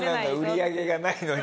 売り上げがないのに。